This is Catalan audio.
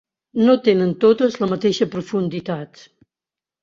No tenen totes la mateixa profunditat.